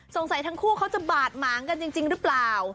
ทั้งคู่เขาจะบาดหมางกันจริงหรือเปล่า